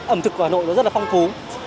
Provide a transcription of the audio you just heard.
ẩm thực ở hà nội rất là phong phú